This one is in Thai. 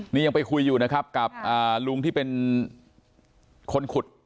นี่ยังไปคุยอยู่นะครับกับลุงที่เป็นคนขุด